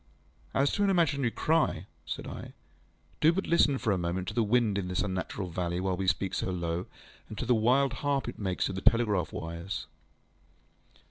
ŌĆ£As to an imaginary cry, ŌĆØ said I, ŌĆ£do but listen for a moment to the wind in this unnatural valley while we speak so low, and to the wild harp it makes of the telegraph wires.